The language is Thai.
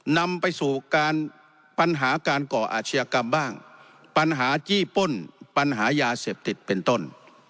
นำไปสู่การปัญหาการก่ออาชญากรรมบ้างปัญหาจี้ป้นปัญหายาเสพติดเป็นต้น